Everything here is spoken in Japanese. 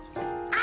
あ。